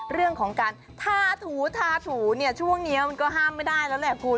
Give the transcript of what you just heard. เรื่องของการทาถูทาถูเนี่ยช่วงนี้มันก็ห้ามไม่ได้แล้วแหละคุณ